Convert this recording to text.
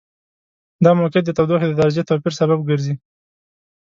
دا موقعیت د تودوخې د درجې توپیر سبب ګرځي.